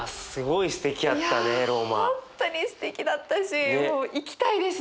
いや本当にすてきだったしもう行きたいです